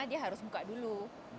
dia harus buka dulu